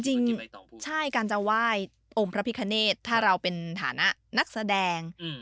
จริงใช่การจะไหว้องค์พระพิคเนธถ้าเราเป็นฐานะนักแสดง